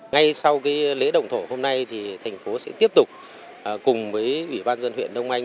ngay sau lễ động thổ hôm nay thì thành phố sẽ tiếp tục cùng với ủy ban dân huyện đông anh